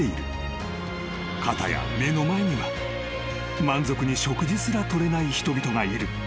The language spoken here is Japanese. ［片や目の前には満足に食事すら取れない人々がいる］